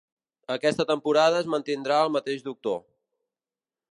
Aquesta temporada es mantindrà el mateix doctor.